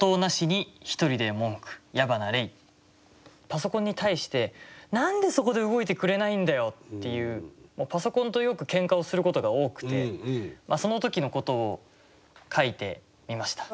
パソコンに対して「何でそこで動いてくれないんだよ！」っていうパソコンとよくケンカをすることが多くてその時のことを書いてみました。